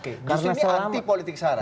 justru ini anti politik sarah